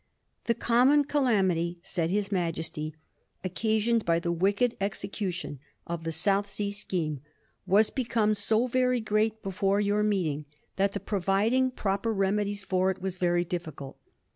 *The common calamity,' said his Majesty, ' occasioned by the wicked execution of the South Sea scheme, was become so very great before your meet ing, that the providing proper remedies for it was very difficult.